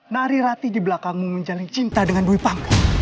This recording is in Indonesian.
nyari rati di belakangmu menjalin cinta dengan duit panggung